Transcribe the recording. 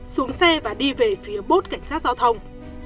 xuống xe và đi về phía bốt cảnh sát giao thông